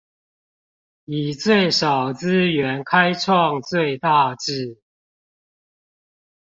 以最少資源開創最大志